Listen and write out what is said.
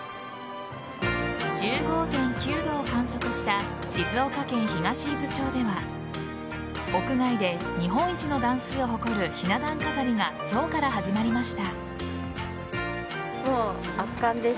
１５．９度を観測した静岡県東伊豆町では屋外で日本一の段数を誇るひな壇飾りが今日から始まりました。